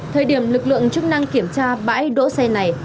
thời điểm lực lượng chức năng kiểm tra bãi đỗ xe này